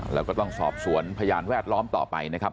แล้วก็ต้องสอบสวนพยานแวดล้อมต่อไปนะครับ